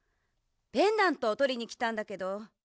ペンダントをとりにきたんだけど。